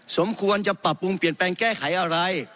สมควรจะปรับปรุงเปลี่ยนแปลงแก้ไขอะไร